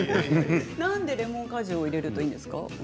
なんでレモン汁を入れるといいんですか？